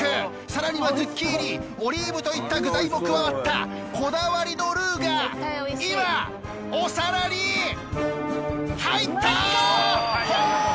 更にはズッキーニオリーブといった具材も加わったこだわりのルウが今お皿に入った！